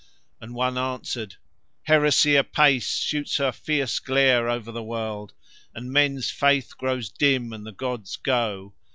And one answered: 'Heresy apace shoots her fierce glare over the world and men's faith grows dim and the gods go.